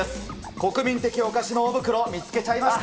国民的お菓子の大袋、見つけちゃいました。